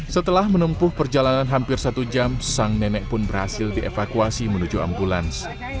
setelah menempuh perjalanan hampir satu jam sang nenek pun berhasil dievakuasi menuju ambulans